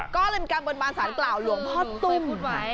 ก็เริ่มการบรรบาลสารกล่าวหลวงพ่อตุ้ม